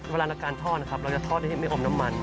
เวลาในการทอดนะครับเราจะทอดได้ไม่อมน้ำมัน